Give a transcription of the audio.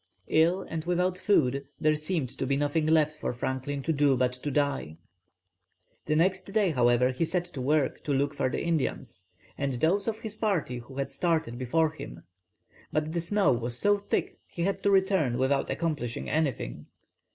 Ill and without food, there seemed to be nothing left for Franklin to do but to die. The next day, however, he set to work to look for the Indians, and those of his party who had started before him, but the snow was so thick he had to return without accomplishing anything.